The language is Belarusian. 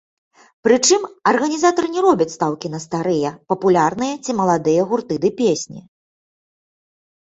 Прычым, арганізатары не робяць стаўкі на старыя, папулярныя ці маладыя гурты ды песні.